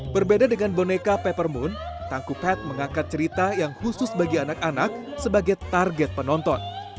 berbeda dengan boneka peppermint tangku pet mengangkat cerita yang khusus bagi anak anak sebagai target penonton